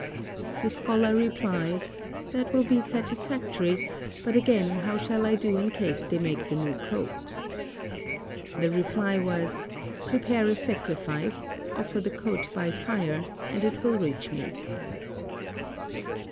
The scholar replied, "That will be satisfactory, but again, how shall I do in case they make the new coat?" The reply was, "Prepare a sacrifice, offer the coat by fire, and it will reach me."